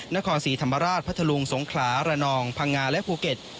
นครศรีธรรมราชพัทธลุงสงขลาระนองพังงาและภูเก็ต